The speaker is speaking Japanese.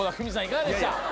いかがでした？